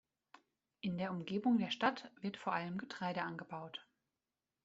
In der Umgebung der Stadt wird vor allem Getreide angebaut.